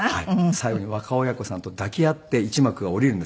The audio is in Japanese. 最後に若尾文子さんと抱き合って１幕が下りるんですけど。